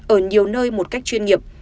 ở nhiều nơi một cách chuyên nghiệp